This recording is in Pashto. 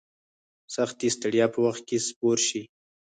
سختي ستړیا په وخت کې سپور شي.